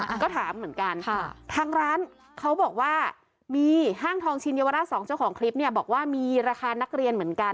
ก็ถามเหมือนกันทางร้านเขาบอกว่ามีห้างทองชินเยาวราชสองเจ้าของคลิปเนี่ยบอกว่ามีราคานักเรียนเหมือนกัน